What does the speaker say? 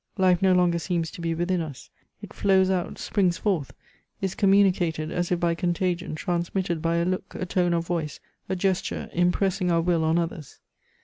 Life no longer seems to be within us; it flows out, springs forth, is communicated as if by contagion, transmitted by a look, a tone of voice, a gesture, impressing our will on others.